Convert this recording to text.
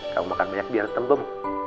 kamu makan banyak biar tembem